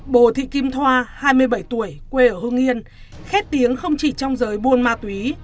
bùi thị kim thoa hai mươi bảy tuổi quê ở hương yên khét tiếng không chỉ trong giới buôn ma túy